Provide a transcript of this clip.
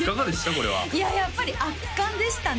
これはいややっぱり圧巻でしたね